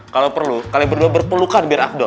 kalau perlu kalian berdua berpelukan biar afdol